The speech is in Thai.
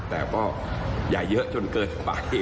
แต่ก็อย่าเยอะจนเกินไป